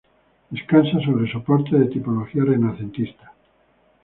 Descansa sobre soportes de tipología renacentista.